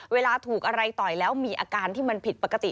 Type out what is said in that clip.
เวลาถูกอะไรต่อยแล้วมีอาการที่มันผิดปกติ